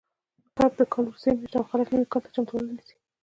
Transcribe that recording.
کب د کال وروستۍ میاشت ده او خلک نوي کال ته چمتووالی نیسي.